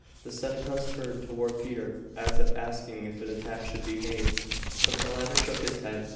The Senecas turned toward Peter as if asking if an attack should be made, but the latter shook his head.